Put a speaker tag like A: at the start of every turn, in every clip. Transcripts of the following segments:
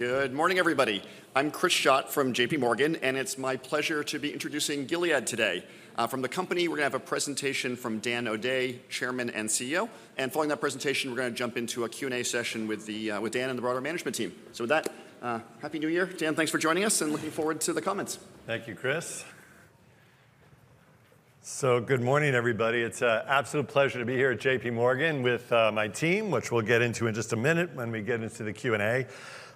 A: Good morning, everybody. I'm Chris Schott from J.P. Morgan, and it's my pleasure to be introducing Gilead today. From the company, we're going to have a presentation from Dan O'Day, Chairman and CEO, and following that presentation, we're going to jump into a Q&A session with Dan and the broader management team. So with that, happy New Year. Dan, thanks for joining us, and looking forward to the comments.
B: Thank you, Chris. So good morning, everybody. It's an absolute pleasure to be here at JPMorgan with my team, which we'll get into in just a minute when we get into the Q&A.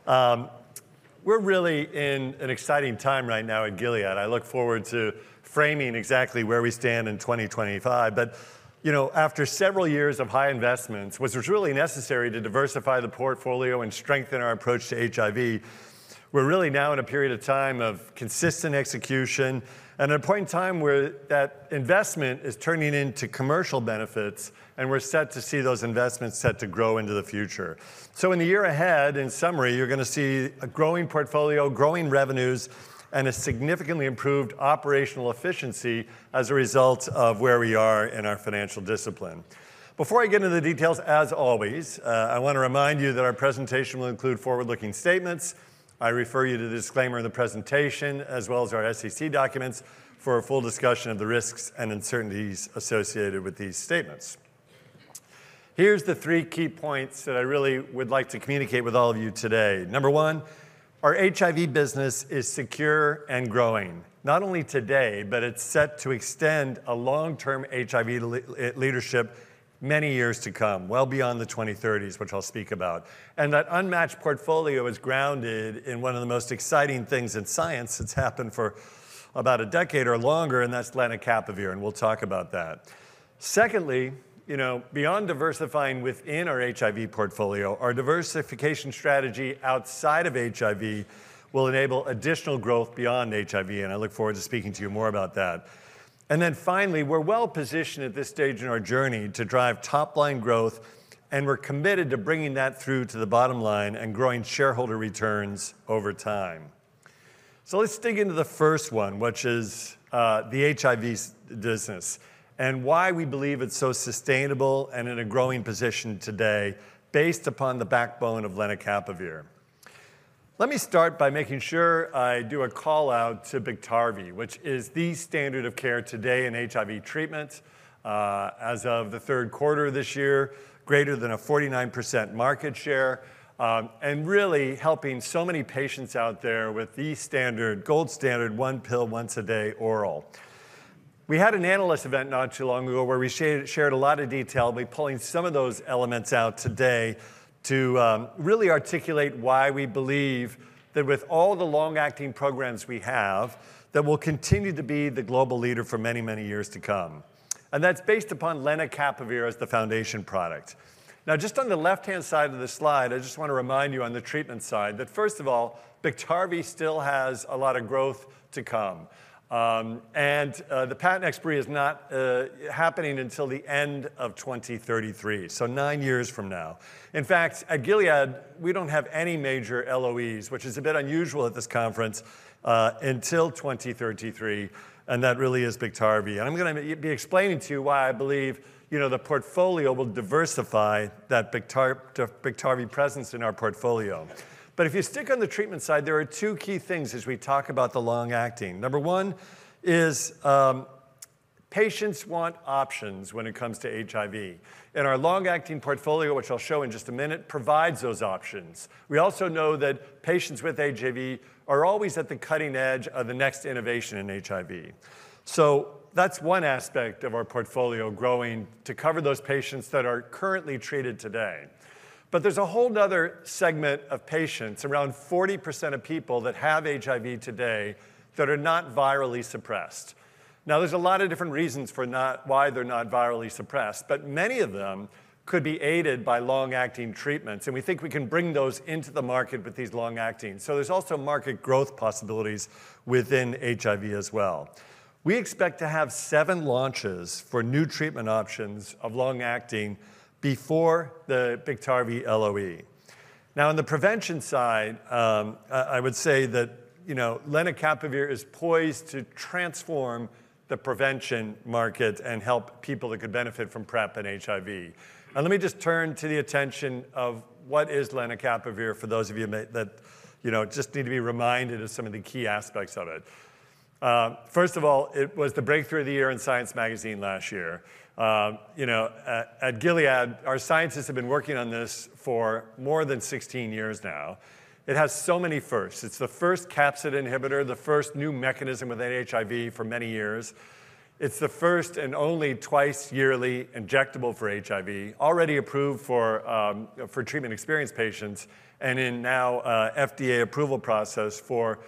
B: We're really in an exciting time right now at Gilead. I look forward to framing exactly where we stand in 2025. But after several years of high investments, which was really necessary to diversify the portfolio and strengthen our approach to HIV, we're really now in a period of time of consistent execution and at a point in time where that investment is turning into commercial benefits, and we're set to see those investments set to grow into the future. So in the year ahead, in summary, you're going to see a growing portfolio, growing revenues, and a significantly improved operational efficiency as a result of where we are in our financial discipline. Before I get into the details, as always, I want to remind you that our presentation will include forward-looking statements. I refer you to the disclaimer in the presentation, as well as our SEC documents for a full discussion of the risks and uncertainties associated with these statements. Here's the three key points that I really would like to communicate with all of you today. Number one, our HIV business is secure and growing, not only today, but it's set to extend a long-term HIV leadership many years to come, well beyond the 2030s, which I'll speak about. And that unmatched portfolio is grounded in one of the most exciting things in science that's happened for about a decade or longer, and that's lenacapavir, and we'll talk about that. Secondly, beyond diversifying within our HIV portfolio, our diversification strategy outside of HIV will enable additional growth beyond HIV, and I look forward to speaking to you more about that. And then finally, we're well positioned at this stage in our journey to drive top-line growth, and we're committed to bringing that through to the bottom line and growing shareholder returns over time. So let's dig into the first one, which is the HIV business and why we believe it's so sustainable and in a growing position today based upon the backbone of lenacapavir. Let me start by making sure I do a call out to Biktarvy, which is the standard of care today in HIV treatment as of the third quarter of this year, greater than a 49% market share, and really helping so many patients out there with the standard, gold standard, one pill once a day oral. We had an analyst event not too long ago where we shared a lot of detail, but pulling some of those elements out today to really articulate why we believe that with all the long-acting programs we have, that we'll continue to be the global leader for many, many years to come. That's based upon lenacapavir as the foundation product. Now, just on the left-hand side of the slide, I just want to remind you on the treatment side that, first of all, Biktarvy still has a lot of growth to come. And the patent expiry is not happening until the end of 2033, so nine years from now. In fact, at Gilead, we don't have any major LOEs, which is a bit unusual at this conference, until 2033, and that really is Biktarvy. And I'm going to be explaining to you why I believe the portfolio will diversify that Biktarvy presence in our portfolio. But if you stick on the treatment side, there are two key things as we talk about the long-acting. Number one is patients want options when it comes to HIV. And our long-acting portfolio, which I'll show in just a minute, provides those options. We also know that patients with HIV are always at the cutting edge of the next innovation in HIV. So that's one aspect of our portfolio growing to cover those patients that are currently treated today. But there's a whole other segment of patients, around 40% of people that have HIV today that are not virally suppressed. Now, there's a lot of different reasons for why they're not virally suppressed, but many of them could be aided by long-acting treatments. And we think we can bring those into the market with these long-acting. So there's also market growth possibilities within HIV as well. We expect to have seven launches for new treatment options of long-acting before the Biktarvy LOE. Now, on the prevention side, I would say that lenacapavir is poised to transform the prevention market and help people that could benefit from PrEP and HIV. And let me just turn to the attention of what is lenacapavir for those of you that just need to be reminded of some of the key aspects of it. First of all, it was the breakthrough of the year in Science magazine last year. At Gilead, our scientists have been working on this for more than 16 years now. It has so many firsts. It's the first capsid inhibitor, the first new mechanism within HIV for many years. It's the first and only twice-yearly injectable for HIV, already approved for treatment-experienced patients and now in FDA approval process for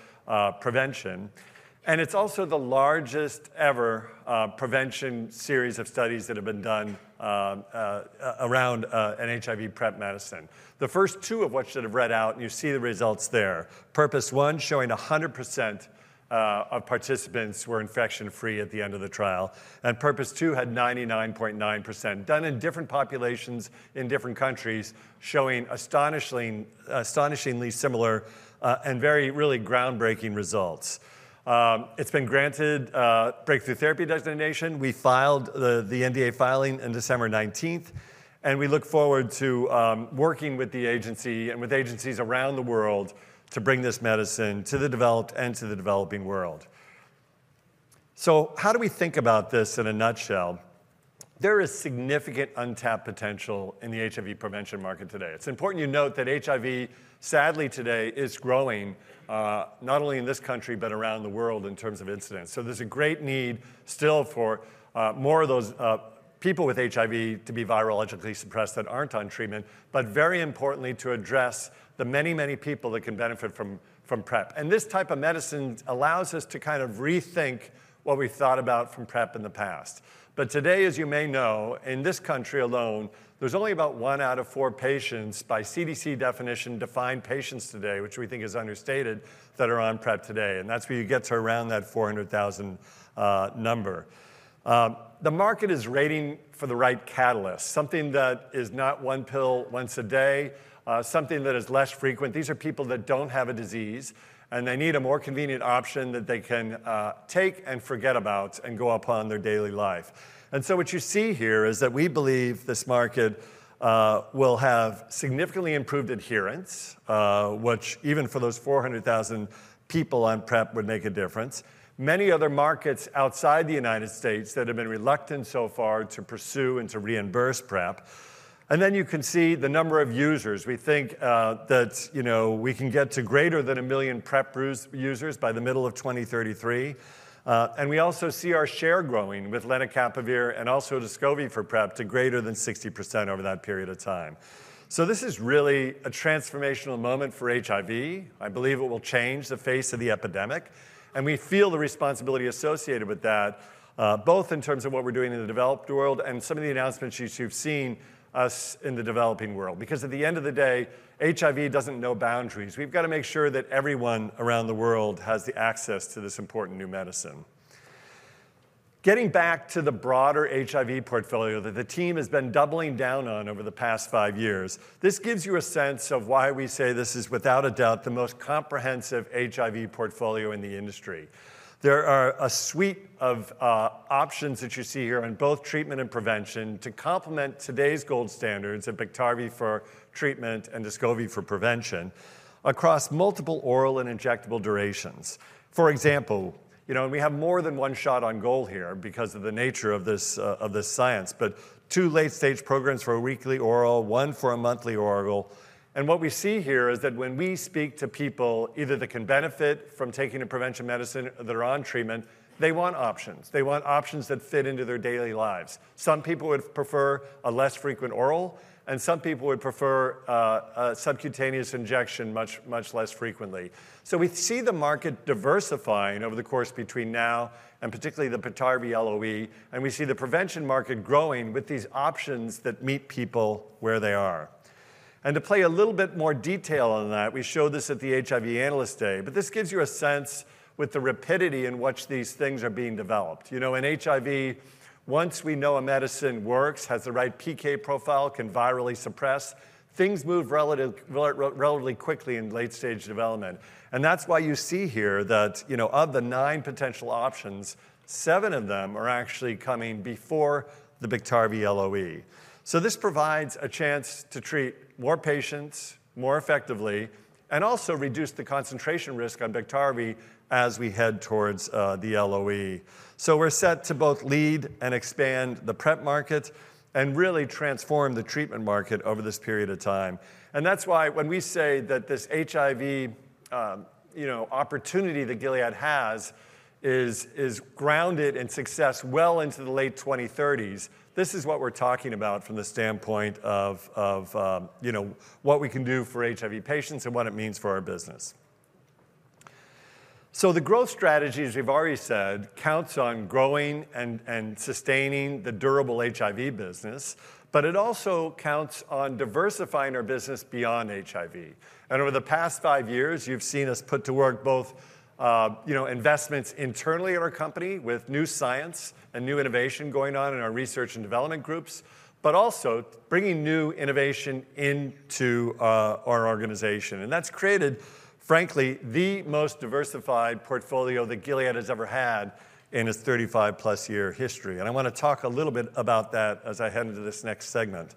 B: prevention. It's also the largest ever prevention series of studies that have been done around an HIV PrEP medicine. The first two of which that have read out, and you see the results there. PURPOSE 1 showing 100% of participants were infection-free at the end of the trial. PURPOSE 2 had 99.9% done in different populations in different countries, showing astonishingly similar and very really groundbreaking results. It's been granted breakthrough therapy designation. We filed the NDA filing on December 19th, and we look forward to working with the agency and with agencies around the world to bring this medicine to the developed and to the developing world. So how do we think about this in a nutshell? There is significant untapped potential in the HIV prevention market today. It's important you note that HIV, sadly today, is growing not only in this country, but around the world in terms of incidence. So there's a great need still for more of those people with HIV to be virologically suppressed that aren't on treatment, but very importantly to address the many, many people that can benefit from PrEP. And this type of medicine allows us to kind of rethink what we thought about from PrEP in the past. But today, as you may know, in this country alone, there's only about one out of four patients by CDC definition defined patients today, which we think is understated, that are on PrEP today. And that's where you get to around that 400,000 number. The market is waiting for the right catalyst, something that is not one pill once a day, something that is less frequent. These are people that don't have a disease, and they need a more convenient option that they can take and forget about and go about their daily life. And so what you see here is that we believe this market will have significantly improved adherence, which even for those 400,000 people on PrEP would make a difference. Many other markets outside the United States that have been reluctant so far to pursue and to reimburse PrEP. Then you can see the number of users. We think that we can get to greater than a million PrEP users by the middle of 2033. We also see our share growing with lenacapavir and also Descovy for PrEP to greater than 60% over that period of time. This is really a transformational moment for HIV. I believe it will change the face of the epidemic. We feel the responsibility associated with that, both in terms of what we're doing in the developed world and some of the announcements you've seen us in the developing world, because at the end of the day, HIV doesn't know boundaries. We've got to make sure that everyone around the world has the access to this important new medicine. Getting back to the broader HIV portfolio that the team has been doubling down on over the past five years, this gives you a sense of why we say this is without a doubt the most comprehensive HIV portfolio in the industry. There are a suite of options that you see here on both treatment and prevention to complement today's gold standards of Biktarvy for treatment and Descovy for prevention across multiple oral and injectable durations. For example, we have more than one shot on goal here because of the nature of this science, but two late-stage programs for a weekly oral, one for a monthly oral, and what we see here is that when we speak to people either that can benefit from taking a prevention medicine that are on treatment, they want options. They want options that fit into their daily lives. Some people would prefer a less frequent oral, and some people would prefer subcutaneous injection much less frequently. So we see the market diversifying over the course between now and particularly the Biktarvy LOE, and we see the prevention market growing with these options that meet people where they are. And to play a little bit more detail on that, we showed this at the HIV Analyst Day, but this gives you a sense with the rapidity in which these things are being developed. In HIV, once we know a medicine works, has the right PK profile, can virally suppress, things move relatively quickly in late-stage development. And that's why you see here that of the nine potential options, seven of them are actually coming before the Biktarvy LOE. So this provides a chance to treat more patients more effectively and also reduce the concentration risk on Biktarvy as we head towards the LOE. So we're set to both lead and expand the PrEP market and really transform the treatment market over this period of time. And that's why when we say that this HIV opportunity that Gilead has is grounded in success well into the late 2030s, this is what we're talking about from the standpoint of what we can do for HIV patients and what it means for our business. So the growth strategies, we've already said, counts on growing and sustaining the durable HIV business, but it also counts on diversifying our business beyond HIV. Over the past five years, you've seen us put to work both investments internally at our company with new science and new innovation going on in our research and development groups, but also bringing new innovation into our organization. That's created, frankly, the most diversified portfolio that Gilead has ever had in its 35-plus year history. I want to talk a little bit about that as I head into this next segment.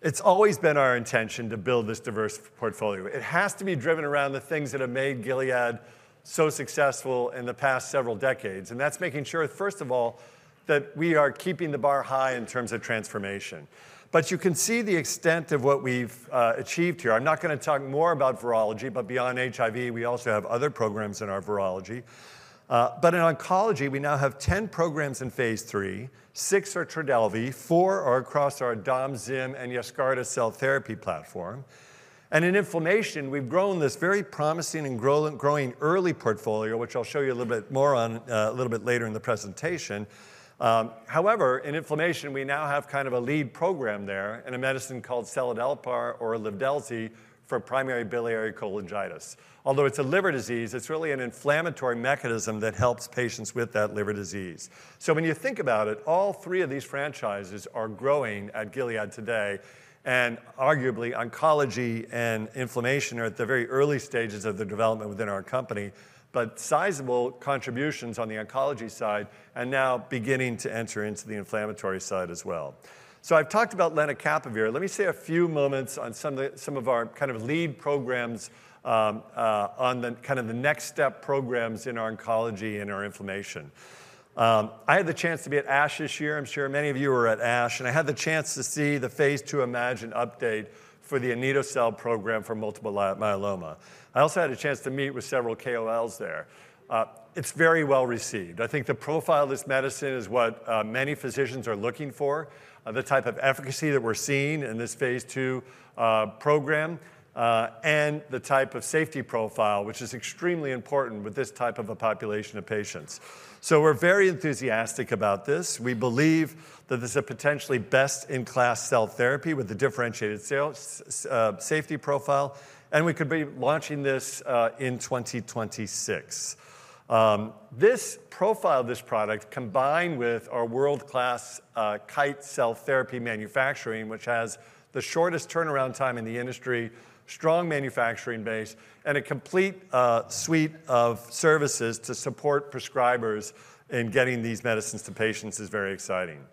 B: It's always been our intention to build this diverse portfolio. It has to be driven around the things that have made Gilead so successful in the past several decades. That's making sure, first of all, that we are keeping the bar high in terms of transformation. You can see the extent of what we've achieved here. I'm not going to talk more about virology, but beyond HIV, we also have other programs in our virology. But in oncology, we now have 10 programs in phase 3, six are Trodelvy, four are across our Dom, Zim, and Yescarta cell therapy platform. And in inflammation, we've grown this very promising and growing early portfolio, which I'll show you a little bit more on a little bit later in the presentation. However, in inflammation, we now have kind of a lead program there in a medicine called seladelpar or Livdelzi for primary biliary cholangitis. Although it's a liver disease, it's really an inflammatory mechanism that helps patients with that liver disease. So when you think about it, all three of these franchises are growing at Gilead today. Arguably, oncology and inflammation are at the very early stages of the development within our company, but sizable contributions on the oncology side are now beginning to enter into the inflammatory side as well. I've talked about lenacapavir. Let me say a few moments on some of our kind of lead programs on kind of the next step programs in our oncology and our inflammation. I had the chance to be at ASH this year. I'm sure many of you were at ASH, and I had the chance to see the phase 2 Imagine update for the Anito-cel program for multiple myeloma. I also had a chance to meet with several KOLs there. It's very well received. I think the profile of this medicine is what many physicians are looking for, the type of efficacy that we're seeing in this phase 2 program, and the type of safety profile, which is extremely important with this type of a population of patients. So we're very enthusiastic about this. We believe that this is a potentially best-in-class cell therapy with a differentiated safety profile, and we could be launching this in 2026. This profile of this product, combined with our world-class Kite cell therapy manufacturing, which has the shortest turnaround time in the industry, strong manufacturing base, and a complete suite of services to support prescribers in getting these medicines to patients is very exciting.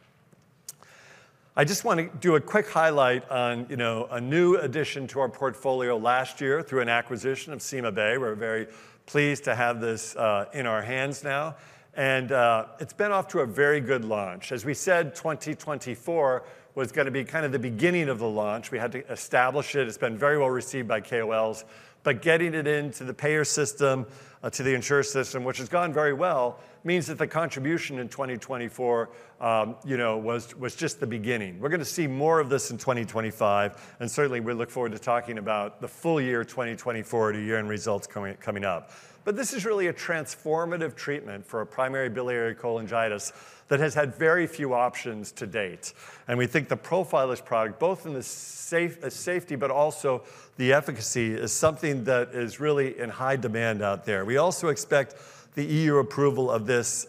B: I just want to do a quick highlight on a new addition to our portfolio last year through an acquisition of CymaBay. We're very pleased to have this in our hands now. It's been off to a very good launch. As we said, 2024 was going to be kind of the beginning of the launch. We had to establish it. It's been very well received by KOLs, but getting it into the payer system, to the insurer system, which has gone very well, means that the contribution in 2024 was just the beginning. We're going to see more of this in 2025. Certainly, we look forward to talking about the full year 2024 to year-end results coming up. This is really a transformative treatment for primary biliary cholangitis that has had very few options to date. We think the profile of this product, both in the safety, but also the efficacy, is something that is really in high demand out there. We also expect the EU approval of this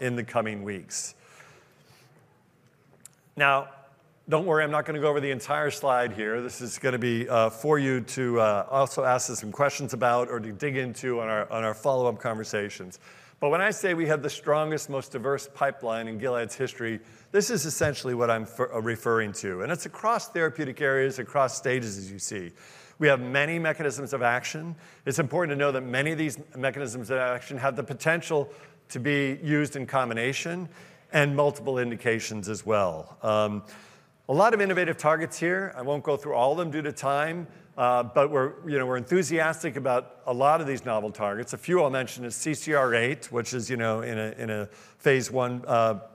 B: in the coming weeks. Now, don't worry, I'm not going to go over the entire slide here. This is going to be for you to also ask us some questions about or to dig into on our follow-up conversations. But when I say we have the strongest, most diverse pipeline in Gilead's history, this is essentially what I'm referring to. And it's across therapeutic areas, across stages, as you see. We have many mechanisms of action. It's important to know that many of these mechanisms of action have the potential to be used in combination and multiple indications as well. A lot of innovative targets here. I won't go through all of them due to time, but we're enthusiastic about a lot of these novel targets. A few I'll mention is CCR8, which is in a phase one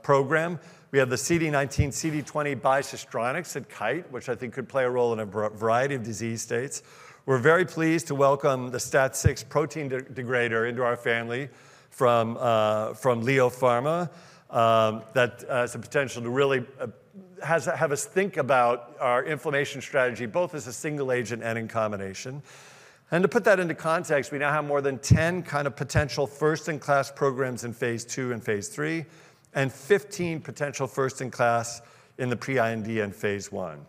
B: program. We have the CD19, CD20 bispecifics at Kite, which I think could play a role in a variety of disease states. We're very pleased to welcome the STAT6 protein degrader into our family from LEO Pharma that has the potential to really have us think about our inflammation strategy, both as a single agent and in combination. To put that into context, we now have more than 10 kind of potential first-in-class programs in phase two and phase three, and 15 potential first-in-class in the pre-IND and phase one.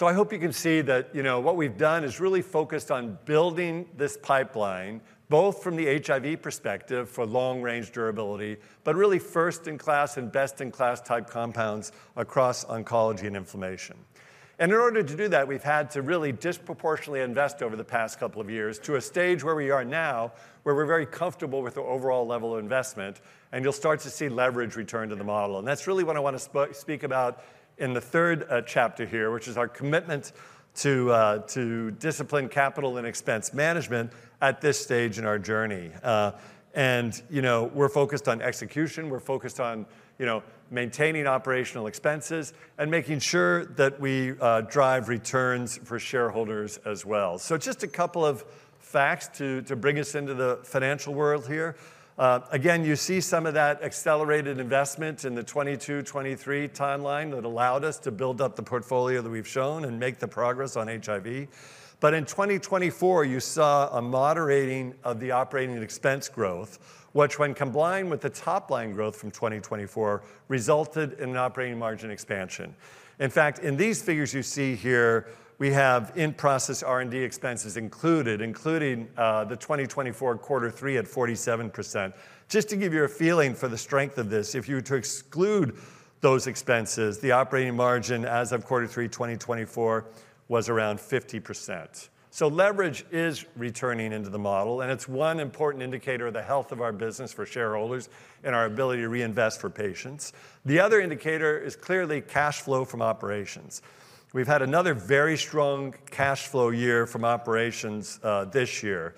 B: I hope you can see that what we've done is really focused on building this pipeline, both from the HIV perspective for long-range durability, but really first-in-class and best-in-class type compounds across oncology and inflammation. In order to do that, we've had to really disproportionately invest over the past couple of years to a stage where we are now, where we're very comfortable with the overall level of investment, and you'll start to see leverage return to the model. That's really what I want to speak about in the third chapter here, which is our commitment to discipline, capital, and expense management at this stage in our journey. We're focused on execution. We're focused on maintaining operational expenses and making sure that we drive returns for shareholders as well. Just a couple of facts to bring us into the financial world here. Again, you see some of that accelerated investment in the 2022, 2023 timeline that allowed us to build up the portfolio that we've shown and make the progress on HIV. But in 2024, you saw a moderating of the operating expense growth, which when combined with the top line growth from 2024 resulted in an operating margin expansion. In fact, in these figures you see here, we have in-process R&D expenses included, including the 2024 quarter three at 47%. Just to give you a feeling for the strength of this, if you were to exclude those expenses, the operating margin as of quarter three 2024 was around 50%. So leverage is returning into the model, and it's one important indicator of the health of our business for shareholders and our ability to reinvest for patients. The other indicator is clearly cash flow from operations. We've had another very strong cash flow year from operations this year.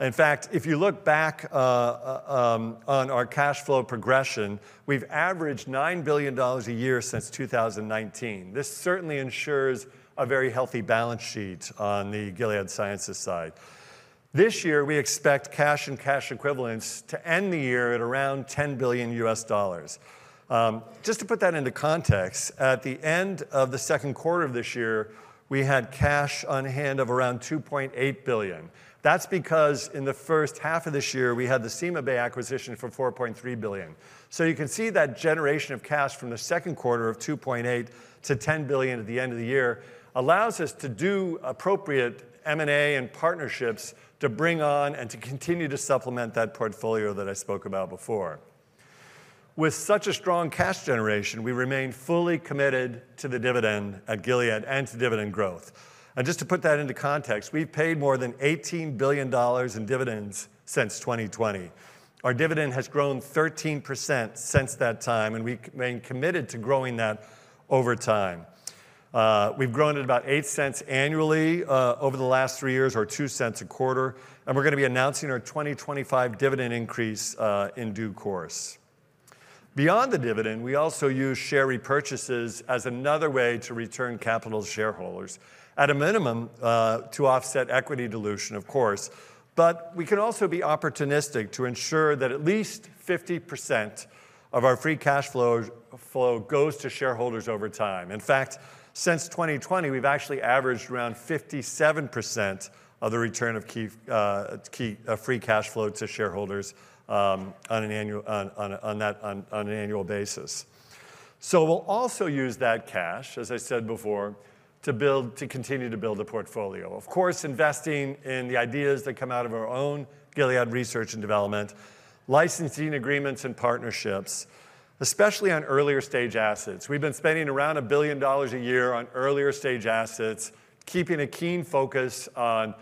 B: In fact, if you look back on our cash flow progression, we've averaged $9 billion a year since 2019. This certainly ensures a very healthy balance sheet on the Gilead Sciences side. This year, we expect cash and cash equivalents to end the year at around $10 billion. Just to put that into context, at the end of the second quarter of this year, we had cash on hand of around $2.8 billion. That's because in the first half of this year, we had the CymaBay acquisition for $4.3 billion. So you can see that generation of cash from the second quarter of $2.8 to $10 billion at the end of the year allows us to do appropriate M&A and partnerships to bring on and to continue to supplement that portfolio that I spoke about before. With such a strong cash generation, we remain fully committed to the dividend at Gilead and to dividend growth. Just to put that into context, we've paid more than $18 billion in dividends since 2020. Our dividend has grown 13% since that time, and we've been committed to growing that over time. We've grown at about $0.08 annually over the last three years or $0.02 a quarter, and we're going to be announcing our 2025 dividend increase in due course. Beyond the dividend, we also use share repurchases as another way to return capital to shareholders, at a minimum to offset equity dilution, of course. But we can also be opportunistic to ensure that at least 50% of our free cash flow goes to shareholders over time. In fact, since 2020, we've actually averaged around 57% of the return of free cash flow to shareholders on an annual basis. So we'll also use that cash, as I said before, to continue to build a portfolio. Of course, investing in the ideas that come out of our own Gilead research and development, licensing agreements and partnerships, especially on earlier stage assets. We've been spending around $1 billion a year on earlier stage assets, keeping a keen focus on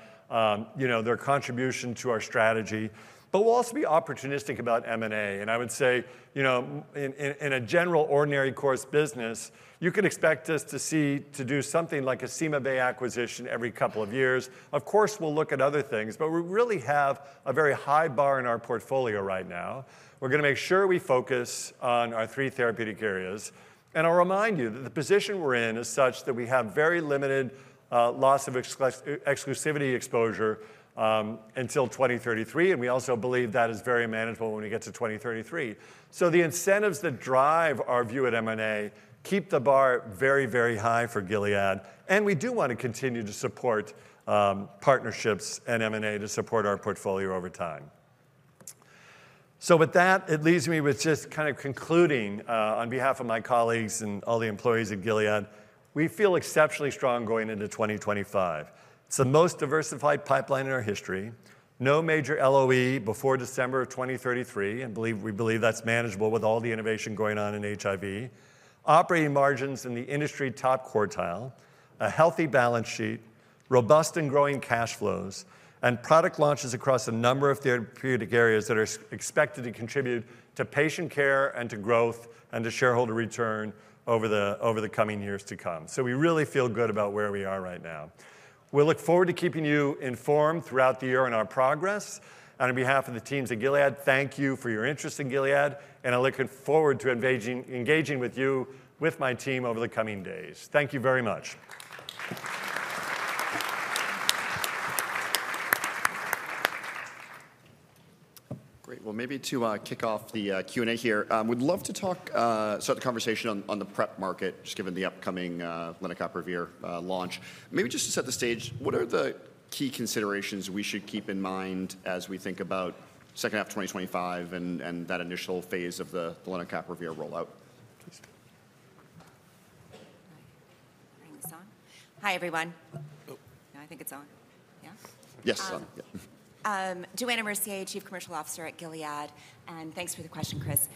B: their contribution to our strategy. But we'll also be opportunistic about M&A. And I would say, in a general ordinary course business, you can expect us to do something like a CymaBay acquisition every couple of years. Of course, we'll look at other things, but we really have a very high bar in our portfolio right now. We're going to make sure we focus on our three therapeutic areas. And I'll remind you that the position we're in is such that we have very limited loss of exclusivity exposure until 2033, and we also believe that is very manageable when we get to 2033. So the incentives that drive our view at M&A keep the bar very, very high for Gilead. And we do want to continue to support partnerships and M&A to support our portfolio over time. So with that, it leaves me with just kind of concluding on behalf of my colleagues and all the employees at Gilead. We feel exceptionally strong going into 2025. It's the most diversified pipeline in our history. No major LOE before December of 2033, and we believe that's manageable with all the innovation going on in HIV. Operating margins in the industry top quartile, a healthy balance sheet, robust and growing cash flows, and product launches across a number of therapeutic areas that are expected to contribute to patient care and to growth and to shareholder return over the coming years to come. So we really feel good about where we are right now. We'll look forward to keeping you informed throughout the year on our progress. And on behalf of the teams at Gilead, thank you for your interest in Gilead, and I'm looking forward to engaging with you with my team over the coming days. Thank you very much.
A: Great. Well, maybe to kick off the Q&A here, we'd love to start the conversation on the PrEP market, just given the upcoming lenacapavir launch. Maybe just to set the stage, what are the key considerations we should keep in mind as we think about second half 2025 and that initial phase of the lenacapavir rollout?
C: Hi, everyone. I think it's on. Yeah? Yes, it's on. Johanna Mercier, Chief Commercial Officer at Gilead. And thanks for the question, Chris.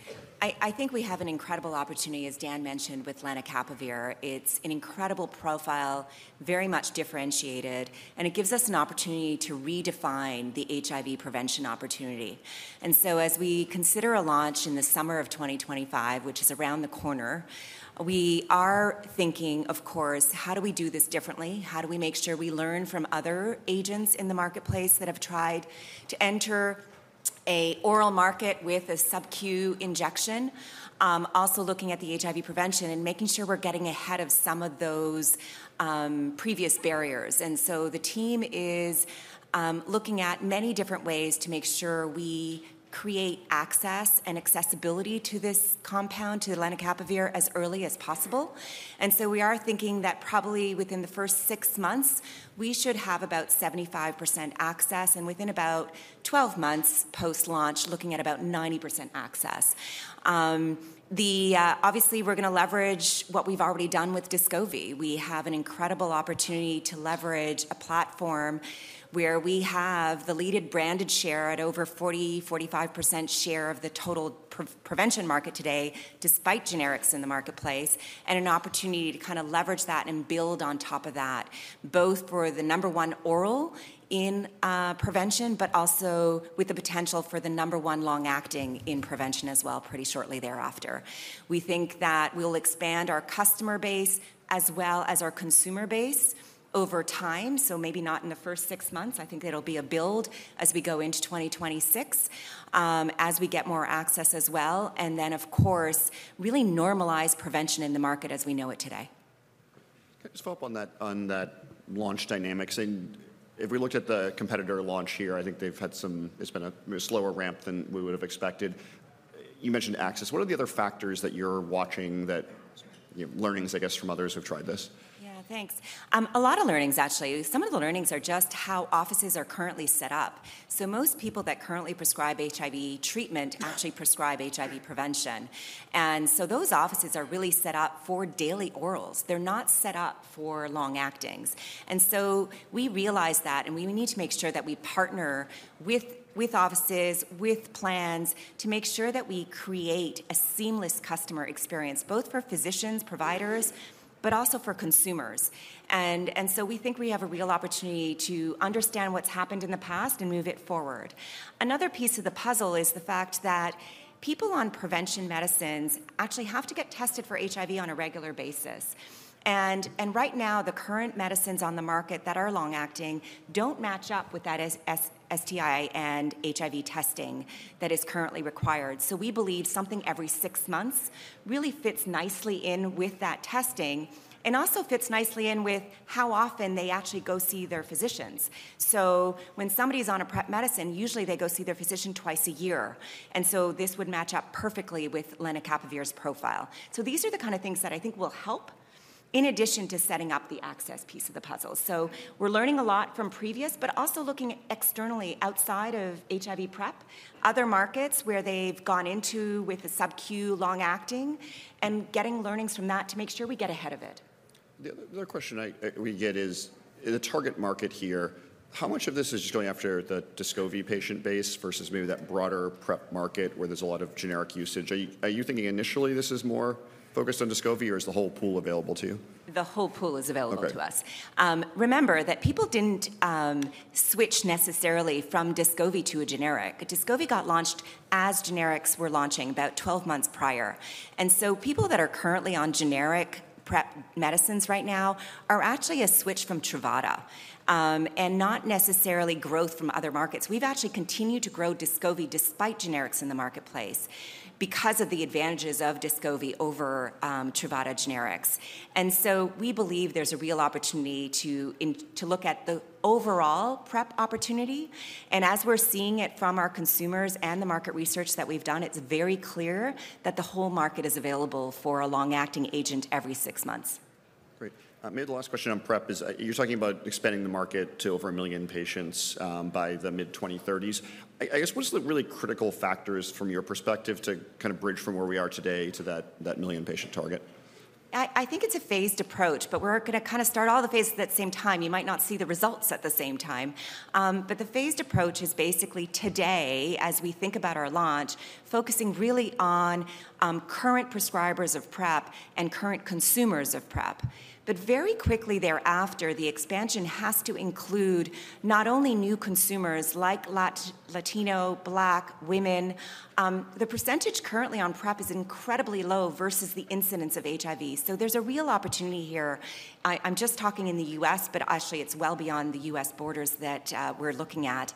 C: I think we have an incredible opportunity, as Dan mentioned, with lenacapavir. It's an incredible profile, very much differentiated, and it gives us an opportunity to redefine the HIV prevention opportunity. And so as we consider a launch in the summer of 2025, which is around the corner, we are thinking, of course, how do we do this differently? How do we make sure we learn from other agents in the marketplace that have tried to enter an oral market with a subQ injection? Also looking at the HIV prevention and making sure we're getting ahead of some of those previous barriers. And so the team is looking at many different ways to make sure we create access and accessibility to this compound, to lenacapavir, as early as possible. And so we are thinking that probably within the first six months, we should have about 75% access, and within about 12 months post-launch, looking at about 90% access. Obviously, we're going to leverage what we've already done with Descovy. We have an incredible opportunity to leverage a platform where we have the leading branded share at over 40-45% share of the total prevention market today, despite generics in the marketplace, and an opportunity to kind of leverage that and build on top of that, both for the number one oral in prevention, but also with the potential for the number one long-acting in prevention as well pretty shortly thereafter. We think that we'll expand our customer base as well as our consumer base over time. So maybe not in the first six months. I think it'll be a build as we go into 2026 as we get more access as well. And then, of course, really normalize prevention in the market as we know it today.
A: Just follow up on that launch dynamics. And if we looked at the competitor launch here, I think they've had some; it's been a slower ramp than we would have expected. You mentioned access. What are the other factors that you're watching? Learnings, I guess, from others who've tried this?
C: Yeah, thanks. A lot of learnings, actually. Some of the learnings are just how offices are currently set up. So most people that currently prescribe HIV treatment actually prescribe HIV prevention. And so those offices are really set up for daily orals. They're not set up for long-actings. And so we realize that, and we need to make sure that we partner with offices, with plans to make sure that we create a seamless customer experience, both for physicians, providers, but also for consumers. And so we think we have a real opportunity to understand what's happened in the past and move it forward. Another piece of the puzzle is the fact that people on prevention medicines actually have to get tested for HIV on a regular basis, and right now, the current medicines on the market that are long-acting don't match up with that STI and HIV testing that is currently required, so we believe something every six months really fits nicely in with that testing and also fits nicely in with how often they actually go see their physicians, so when somebody's on a prep medicine, usually they go see their physician twice a year, and so this would match up perfectly with lenacapavir's profile, so these are the kind of things that I think will help in addition to setting up the access piece of the puzzle. So we're learning a lot from previous, but also looking externally outside of HIV prep, other markets where they've gone into with a subQ long-acting and getting learnings from that to make sure we get ahead of it.
A: The other question we get is the target market here. How much of this is just going after the Descovy patient base versus maybe that broader prep market where there's a lot of generic usage? Are you thinking initially this is more focused on Descovy or is the whole pool available to you?
C: The whole pool is available to us. Remember that people didn't switch necessarily from Descovy to a generic. Descovy got launched as generics were launching about 12 months prior. And so people that are currently on generic prep medicines right now are actually a switch from Truvada and not necessarily growth from other markets. We've actually continued to grow Descovy despite generics in the marketplace because of the advantages of Descovy over Truvada generics. And so we believe there's a real opportunity to look at the overall prep opportunity. And as we're seeing it from our consumers and the market research that we've done, it's very clear that the whole market is available for a long-acting agent every six months.
A: Great. Maybe the last question on prep is you're talking about expanding the market to over a million patients by the mid-2030s. I guess what's the really critical factors from your perspective to kind of bridge from where we are today to that million patient target?
C: I think it's a phased approach, but we're going to kind of start all the phases at the same time. You might not see the results at the same time. But the phased approach is basically today, as we think about our launch, focusing really on current prescribers of PrEP and current consumers of PrEP. But very quickly thereafter, the expansion has to include not only new consumers like Latino, Black, women. The percentage currently on PrEP is incredibly low versus the incidence of HIV. So there's a real opportunity here. I'm just talking in the U.S., but actually it's well beyond the U.S. borders that we're looking at.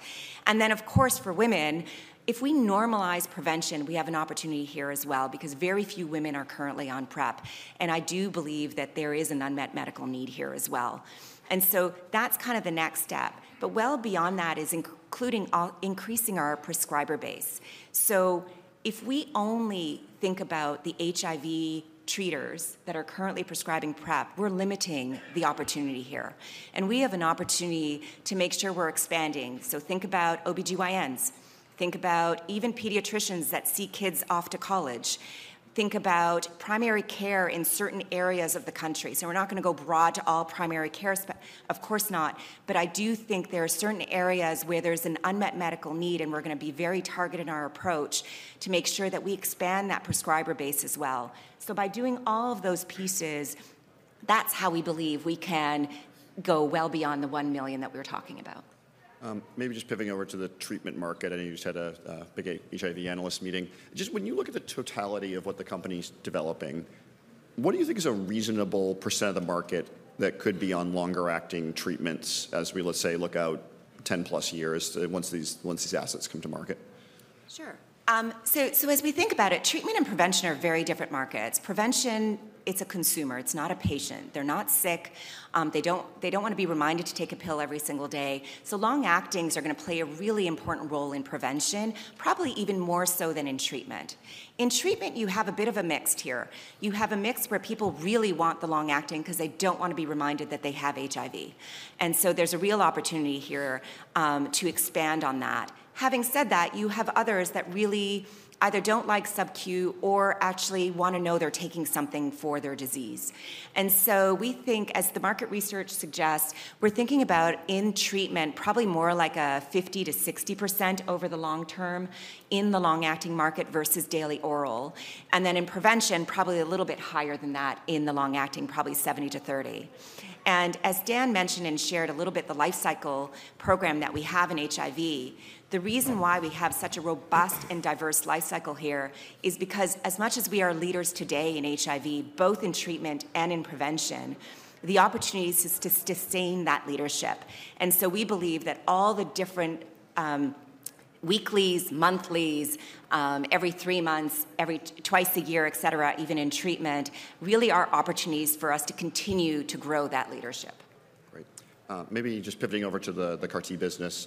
C: And then, of course, for women, if we normalize prevention, we have an opportunity here as well because very few women are currently on PrEP. And I do believe that there is an unmet medical need here as well. And so that's kind of the next step. But well beyond that is including increasing our prescriber base. So if we only think about the HIV treaters that are currently prescribing PrEP, we're limiting the opportunity here. And we have an opportunity to make sure we're expanding. So think about OB-GYNs. Think about even pediatricians that see kids off to college. Think about primary care in certain areas of the country. So we're not going to go broad to all primary care, of course not. But I do think there are certain areas where there's an unmet medical need and we're going to be very targeted in our approach to make sure that we expand that prescriber base as well. So by doing all of those pieces, that's how we believe we can go well beyond the one million that we were talking about.
A: Maybe just pivoting over to the treatment market. I know you just had a big HIV analyst meeting. Just when you look at the totality of what the company's developing, what do you think is a reasonable % of the market that could be on longer-acting treatments as we, let's say, look out 10 plus years once these assets come to market?
C: Sure. So as we think about it, treatment and prevention are very different markets. Prevention, it's a consumer. It's not a patient. They're not sick. They don't want to be reminded to take a pill every single day. So long-actings are going to play a really important role in prevention, probably even more so than in treatment. In treatment, you have a bit of a mixed here. You have a mix where people really want the long-acting because they don't want to be reminded that they have HIV. And so there's a real opportunity here to expand on that. Having said that, you have others that really either don't like subQ or actually want to know they're taking something for their disease. And so we think, as the market research suggests, we're thinking about in treatment, probably more like a 50%-60% over the long term in the long-acting market versus daily oral. And then in prevention, probably a little bit higher than that in the long-acting, probably 70%-30%. And as Dan mentioned and shared a little bit, the life cycle program that we have in HIV, the reason why we have such a robust and diverse life cycle here is because as much as we are leaders today in HIV, both in treatment and in prevention, the opportunity is to sustain that leadership. And so we believe that all the different weeklies, monthlies, every three months, twice a year, et cetera, even in treatment, really are opportunities for us to continue to grow that leadership.
A: Great. Maybe just pivoting over to the CAR T business.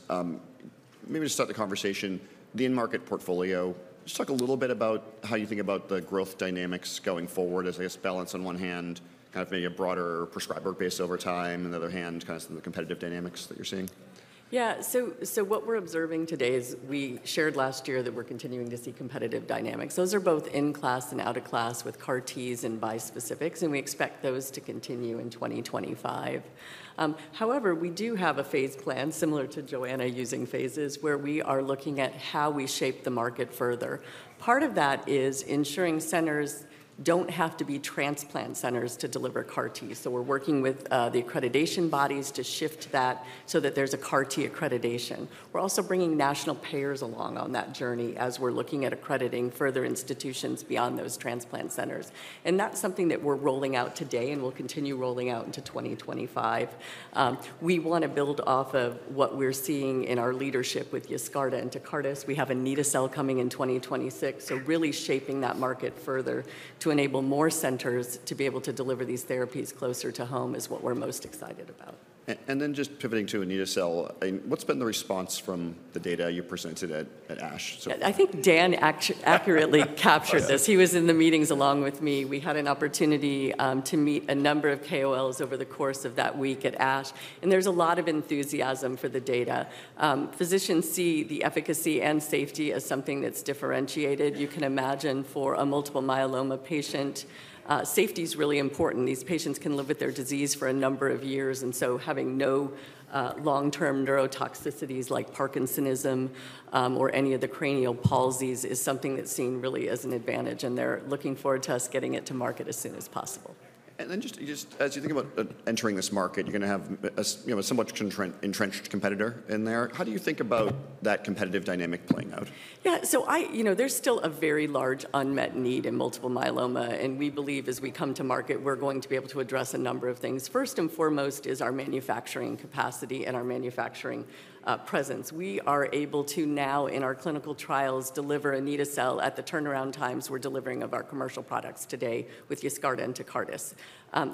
A: Maybe just start the conversation, the in-market portfolio. Just talk a little bit about how you think about the growth dynamics going forward as, I guess, balance on one hand, kind of maybe a broader prescriber base over time, and on the other hand, kind of some of the competitive dynamics that you're seeing. Yeah. So what we're observing today is we shared last year that we're continuing to see competitive dynamics. Those are both in-class and out-of-class with CAR Ts and bispecifics, and we expect those to continue in 2025. However, we do have a phase plan similar to Johanna using phases where we are looking at how we shape the market further. Part of that is ensuring centers don't have to be transplant centers to deliver CAR Ts. So we're working with the accreditation bodies to shift that so that there's a CAR T accreditation. We're also bringing national payers along on that journey as we're looking at accrediting further institutions beyond those transplant centers. And that's something that we're rolling out today and we'll continue rolling out into 2025. We want to build off of what we're seeing in our leadership with Yescarta and Tecartus. We have a Anito-cel coming in 2026. So really shaping that market further to enable more centers to be able to deliver these therapies closer to home is what we're most excited about. And then just pivoting to Anito-cel, what's been the response from the data you presented at ASH? I think Dan accurately captured this. He was in the meetings along with me. We had an opportunity to meet a number of KOLs over the course of that week at ASH. And there's a lot of enthusiasm for the data. Physicians see the efficacy and safety as something that's differentiated. You can imagine for a multiple myeloma patient, safety is really important. These patients can live with their disease for a number of years. And so having no long-term neurotoxicities like parkinsonism or any of the cranial palsies is something that's seen really as an advantage. And they're looking forward to us getting it to market as soon as possible. And then just as you think about entering this market, you're going to have a somewhat entrenched competitor in there. How do you think about that competitive dynamic playing out? Yeah. So there's still a very large unmet need in multiple myeloma. We believe as we come to market, we're going to be able to address a number of things. First and foremost is our manufacturing capacity and our manufacturing presence. We are able to now, in our clinical trials, deliver an Anito-cel at the turnaround times we're delivering of our commercial products today with Yescarta and Tecartus.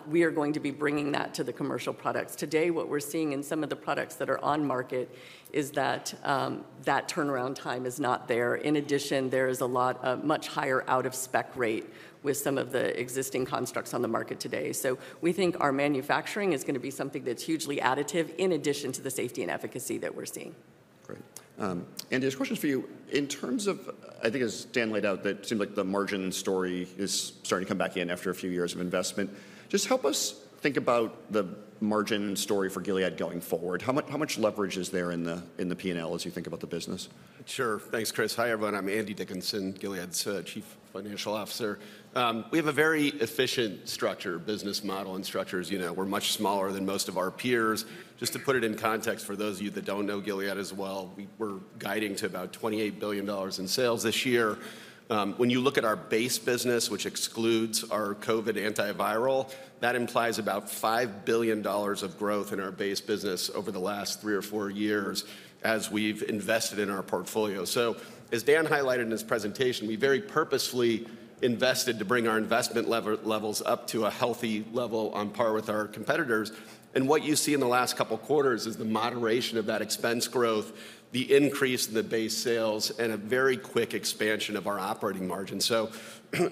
A: We are going to be bringing that to the commercial products. Today, what we're seeing in some of the products that are on market is that that turnaround time is not there. In addition, there is a lot of much higher out-of-spec rate with some of the existing constructs on the market today. So we think our manufacturing is going to be something that's hugely additive in addition to the safety and efficacy that we're seeing. Great. And just questions for you. In terms of, I think as Dan laid out, that seemed like the margin story is starting to come back in after a few years of investment. Just help us think about the margin story for Gilead going forward. How much leverage is there in the P&L as you think about the business?
D: Sure. Thanks, Chris. Hi everyone. I'm Andy Dickinson, Gilead's Chief Financial Officer. We have a very efficient structure, business model and structures. We're much smaller than most of our peers. Just to put it in context for those of you that don't know Gilead as well, we're guiding to about $28 billion in sales this year. When you look at our base business, which excludes our COVID antiviral, that implies about $5 billion of growth in our base business over the last three or four years as we've invested in our portfolio. So as Dan highlighted in his presentation, we very purposefully invested to bring our investment levels up to a healthy level on par with our competitors. And what you see in the last couple of quarters is the moderation of that expense growth, the increase in the base sales, and a very quick expansion of our operating margin. So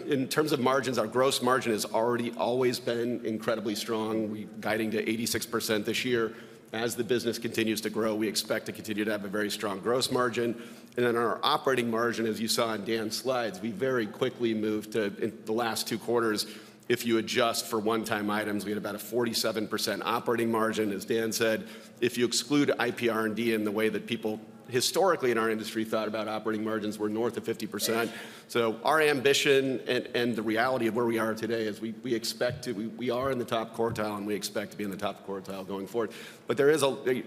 D: in terms of margins, our gross margin has already always been incredibly strong. We're guiding to 86% this year. As the business continues to grow, we expect to continue to have a very strong gross margin. And then our operating margin, as you saw in Dan's slides, we very quickly moved to the last two quarters. If you adjust for one-time items, we had about a 47% operating margin, as Dan said. If you exclude IPR&D and the way that people historically in our industry thought about operating margins were north of 50%. So our ambition and the reality of where we are today is we expect to, we are in the top quartile and we expect to be in the top quartile going forward. But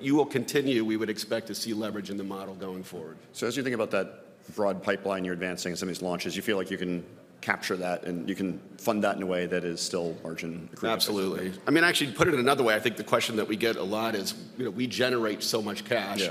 D: you will continue, we would expect to see leverage in the model going forward.
A: So as you think about that broad pipeline you're advancing and some of these launches, you feel like you can capture that and you can fund that in a way that is still margin accretive.
D: Absolutely. I mean, actually, to put it in another way, I think the question that we get a lot is we generate so much cash.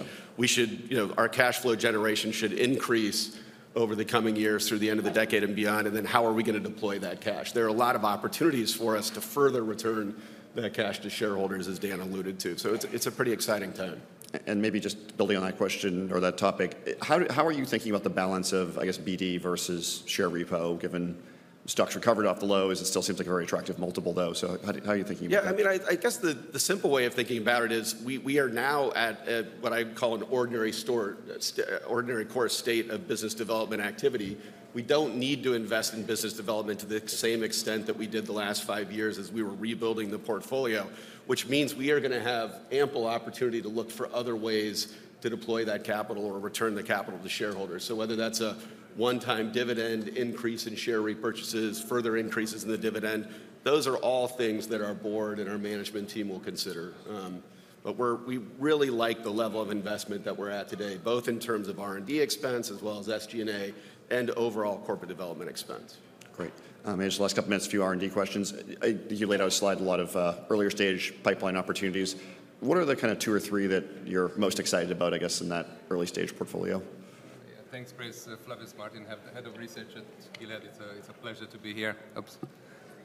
D: Our cash flow generation should increase over the coming years through the end of the decade and beyond, and then how are we going to deploy that cash? There are a lot of opportunities for us to further return that cash to shareholders, as Dan alluded to, so it's a pretty exciting time,
A: and maybe just building on that question or that topic, how are you thinking about the balance of, I guess, BD versus share repo given the stock recovered off the low? It still seems like a very attractive multiple though, so how are you thinking about it?
D: Yeah, I mean, I guess the simple way of thinking about it is we are now at what I call an ordinary core state of business development activity. We don't need to invest in business development to the same extent that we did the last five years as we were rebuilding the portfolio, which means we are going to have ample opportunity to look for other ways to deploy that capital or return the capital to shareholders. So whether that's a one-time dividend increase in share repurchases, further increases in the dividend, those are all things that our board and our management team will consider. But we really like the level of investment that we're at today, both in terms of R&D expense as well as SG&A and overall corporate development expense.
A: Great. Just the last couple of minutes, a few R&D questions. You laid out a slide, a lot of earlier stage pipeline opportunities. What are the kind of two or three that you're most excited about, I guess, in that early stage portfolio?
E: Thanks, Chris. Flavius Martin, head of research at Gilead. It's a pleasure to be here.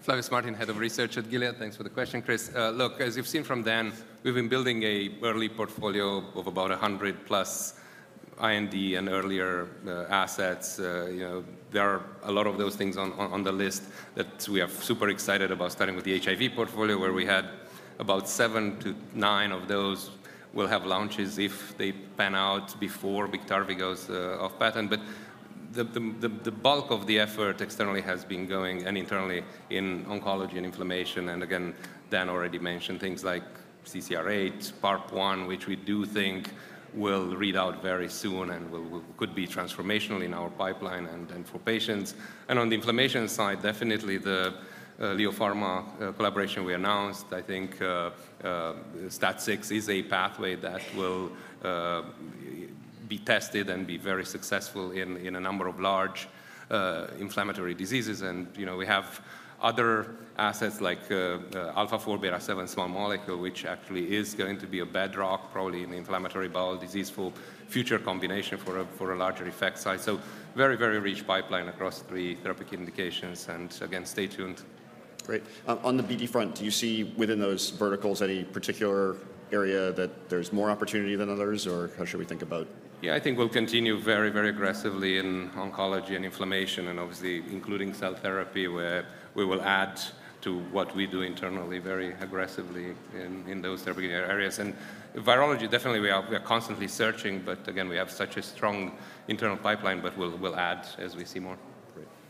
E: Thanks for the question, Chris. Look, as you've seen from Dan, we've been building an early portfolio of about 100 plus IND and earlier assets. There are a lot of those things on the list that we are super excited about starting with the HIV portfolio, where we had about seven to nine of those. We'll have launches if they pan out before Biktarvy goes off patent. But the bulk of the effort externally has been going and internally in oncology and inflammation. And again, Dan already mentioned things like CCR8, PARP1, which we do think will read out very soon and could be transformational in our pipeline and for patients. And on the inflammation side, definitely the LEO Pharma collaboration we announced. I think STAT6 is a pathway that will be tested and be very successful in a number of large inflammatory diseases. And we have other assets like Alpha-4 beta-7 small molecule, which actually is going to be a bedrock probably in the inflammatory bowel disease for future combination for a larger effect side. So very, very rich pipeline across three therapeutic indications. And again, stay tuned.
A: Great. On the BD front, do you see within those verticals any particular area that there's more opportunity than others? Or how should we think about?
E: Yeah, I think we'll continue very, very aggressively in oncology and inflammation and obviously including cell therapy where we will add to what we do internally very aggressively in those therapeutic areas. And virology, definitely we are constantly searching, but again, we have such a strong internal pipeline, but we'll add as we see more.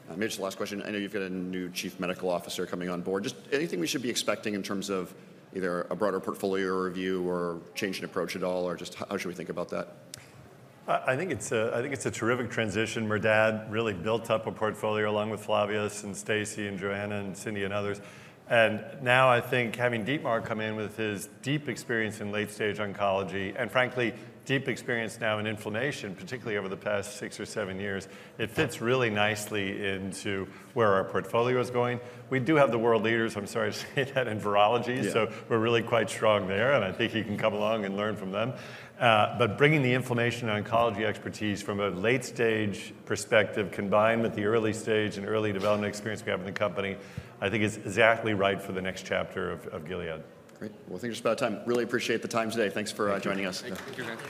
A: Great. Maybe just the last question. I know you've got a new Chief Medical Officer coming on board. Just anything we should be expecting in terms of either a broader portfolio review or change in approach at all, or just how should we think about that? I think it's a terrific transition. Merdad really built up a portfolio along with Flavius and Stacey and Johanna and Cindy and others. And now I think having Dietmar come in with his deep experience in late-stage oncology and frankly, deep experience now in inflammation, particularly over the past six or seven years, it fits really nicely into where our portfolio is going. We do have the world leaders, I'm sorry to say that, in virology. So we're really quite strong there. And I think you can come along and learn from them. But bringing the inflammation and oncology expertise from a late-stage perspective combined with the early stage and early development experience we have in the company, I think is exactly right for the next chapter of Gilead. Great. Well, thank you for spending the time. Really appreciate the time today. Thanks for joining us. Thank you.